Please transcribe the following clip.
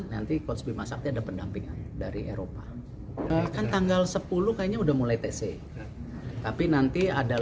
nanti kota sepupu masaknya